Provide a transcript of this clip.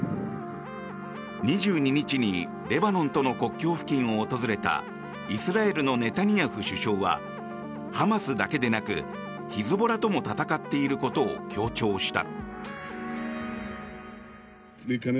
２２日にレバノンとの国境付近を訪れたイスラエルのネタニヤフ首相はハマスだけでなくヒズボラとも戦っていることを強調した。